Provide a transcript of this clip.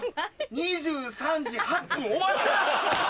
２３時８分終わった！